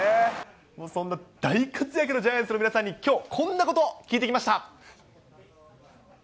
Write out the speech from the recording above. そんな大活躍のジャイアンツの皆さんにきょう、こんなことを聞いてきました。